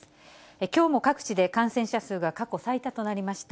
きょうも各地で感染者数が過去最多となりました。